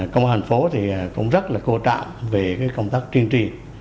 công an thành phố thì cũng rất là cô trạng về công tác chiên tri